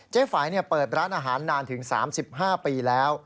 ฝ่ายเปิดร้านอาหารนานถึง๓๕ปีแล้ว